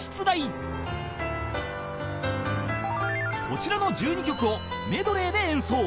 ［こちらの１２曲をメドレーで演奏］